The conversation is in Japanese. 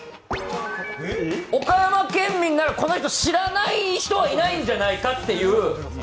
岡山県民ならこの人知らない人はいないんじゃないかっていう。